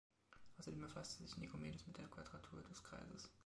Außerdem befasste sich Nikomedes mit der Quadratur des Kreises.